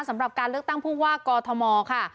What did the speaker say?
สำหรับการเลือกตั้งผู้ว่ากอทมค่ะ